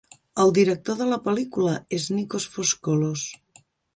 El director de la pel·lícula ésNikos Foskolos.